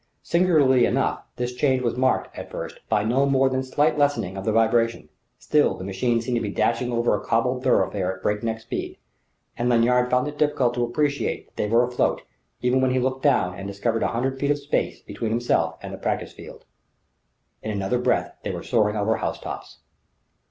Singularly enough, this change was marked, at first, by no more than slight lessening of the vibration: still the machine seemed to be dashing over a cobbled thoroughfare at breakneck speed; and Lanyard found it difficult to appreciate that they were afloat, even when he looked down and discovered a hundred feet of space between himself and the practice field. In another breath they were soaring over housetops.